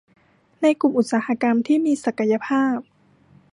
ในกลุ่มอุตสาหกรรมที่มีศักยภาพ